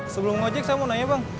sebelum ojek saya mau nanya bang